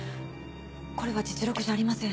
これは実力じゃありません。